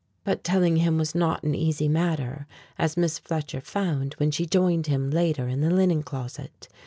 But telling him was not an easy matter as Miss Fletcher found when she joined him later in the linen closet.